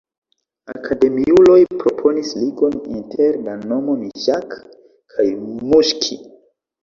Akademiuloj proponis ligon inter la nomo Miŝak kaj Muŝki.